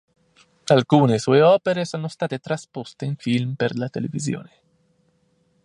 Alcune sue opere sono state trasposte in film per la televisione.